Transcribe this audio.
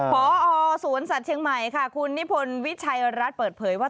พอสวนสัตว์เชียงใหม่ค่ะคุณนิพนธ์วิชัยรัฐเปิดเผยว่า